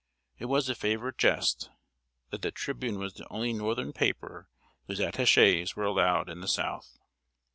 It was a favorite jest, that The Tribune was the only northern paper whose attachés were allowed in the South.